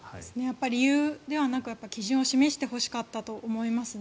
理由ではなく基準を示してほしかったと思います。